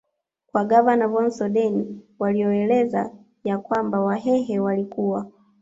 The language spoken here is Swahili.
kwa Gavana Von soden walioeleza ya kwamba wahehe walikuwa